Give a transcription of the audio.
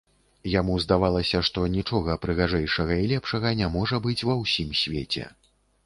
Яму здавалася, што нічога прыгажэйшага і лепшага не можа быць ва ўсім свеце.